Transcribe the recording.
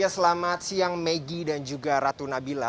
selamat siang maggie dan juga ratu nabila